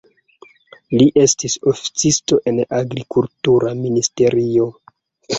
Li estis oficisto en la agrikultura ministerio.